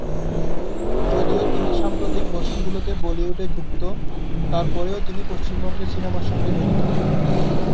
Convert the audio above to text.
যদিও তিনি সাম্প্রতিক বছরগুলোতে বলিউড-এ যুক্ত, তারপরেও তিনি পশ্চিমবঙ্গের সিনেমার সঙ্গে জড়িত।